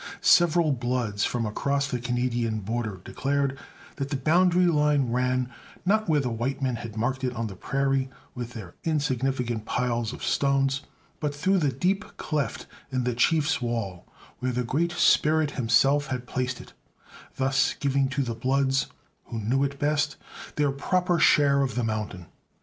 Several Bloods from across the Canadian border declared that the boundary line ran, not where the white men had marked it on the prairie with their insignificant piles of stones, but through the deep cleft in the Chief's wall, where the Great Spirit himself had placed it; thus giving to the Bloods, who knew it best, their proper share of the mountain.